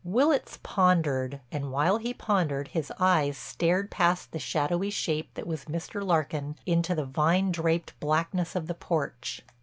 Willitts pondered, and while he pondered his eyes stared past the shadowy shape that was Mr. Larkin into the vine draped blackness of the porch.